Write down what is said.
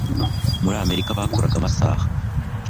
muri amerika bakoraga amasaha